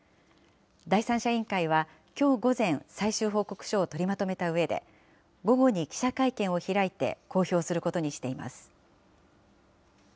第三者委員会はきょう午前、最終報告書を取りまとめたうえで、午後に記者会見を開いて、公表することにしています。